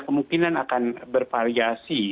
kemungkinan akan bervariasi